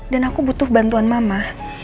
dan aku butuh bantuan mama